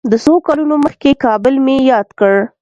د څو کلونو مخکې کابل مې یاد کړ.